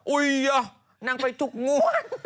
อุยนางไปถูกงวด